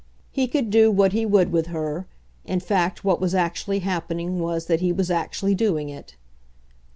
He could do what he would with her; in fact what was actually happening was that he was actually doing it.